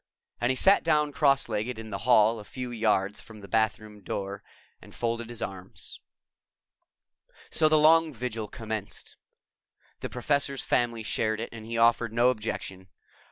And he sat down cross legged in the hall a few yards from the bathroom door and folded his arms. So the long vigil commenced. The Professor's family shared it and he offered no objection.